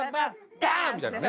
ダン！みたいなね。